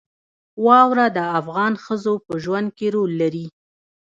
واوره د افغان ښځو په ژوند کې رول لري.